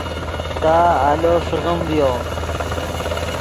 تا آلو ݰیغیم ڤیو